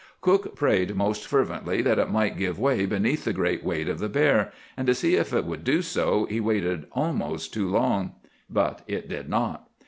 "Cook prayed most fervently that it might give way beneath the great weight of the bear, and to see if it would do so he waited almost too long; but it did not.